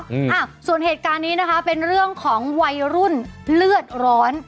อืมอ่ะส่วนเหตุการณ์นี้นะคะเป็นเรื่องของวัยรุ่นเลือดร้อน